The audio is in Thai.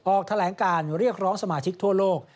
ออกแถลงการเรียกร้องสมาชิกทั่วโลก